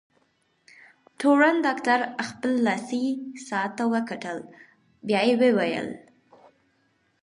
تورن ډاکټر خپل لاسي ساعت ته وکتل، بیا یې وویل: